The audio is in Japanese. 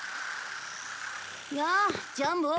やあジャンボ。